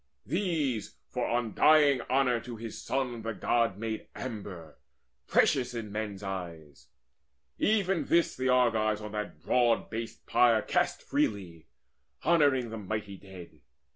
These, for undying honour to his son, The God made amber, precious in men's eyes. Even this the Argives on that broad based pyre Cast freely, honouring the mighty dead.